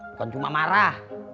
bukan cuma marah